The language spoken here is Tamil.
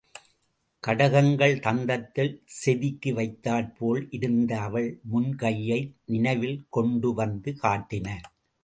கடகங்கள் தந்தத்தில் செதுக்கி வைத்தாற்போல் இருந்த அவள் முன் கையை நினைவில் கொண்டுவந்து காட்டின.